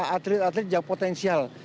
atlet atlet yang potensial